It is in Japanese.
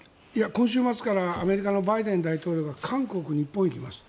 今週末からアメリカのバイデン大統領が韓国、日本に来ます。